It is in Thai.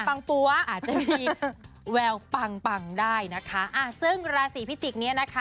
ปั๊วอาจจะมีแววปังปังได้นะคะอ่าซึ่งราศีพิจิกษ์เนี้ยนะคะ